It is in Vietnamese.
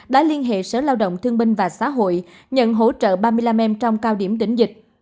đã liên hệ sở lao động thương binh và xã hội nhận hỗ trợ ba mươi năm em trong cao điểm đỉnh dịch